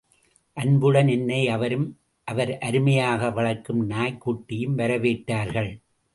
அன்புடன் என்னை அவரும் அவர் அருமையாக வளர்க்கும் நாய்க்குட்டியும் வரவேற்றார்கள்.